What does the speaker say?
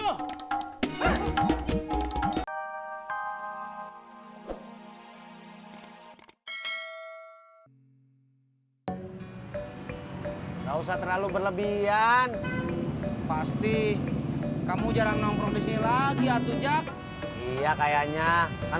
nggak usah terlalu berlebihan pasti kamu jarang nongkrong di sini lagi atau jak iya kayaknya